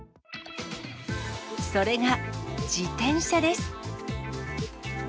それが自転車です。